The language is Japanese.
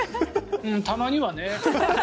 たまにはね。